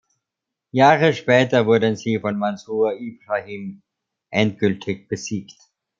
Jahre später wurden sie von Mansur Ibrahim endgültig besiegt.